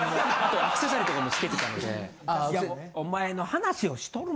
アクセサリーとかもつけてたので。